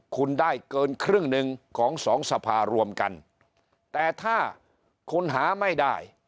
คุณได้เกินครึ่งหนึ่งของสองสภารวมกันแต่ถ้าคุณหาไม่ได้